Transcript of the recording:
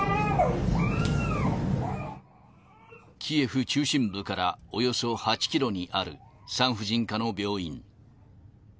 キエフ中心部からおよそ８キロにある産婦人科の病院。